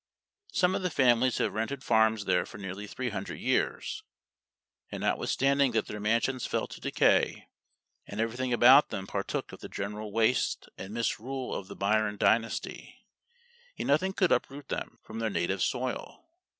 Some of the families have rented farms there for nearly three hundred years; and, notwithstanding that their mansions fell to decay, and every thing about them partook of the general waste and misrule of the Byron dynasty, yet nothing could uproot them from their native soil.